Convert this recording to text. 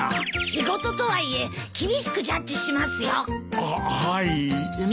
仕事とはいえ厳しくジャッジしますよ。ははい。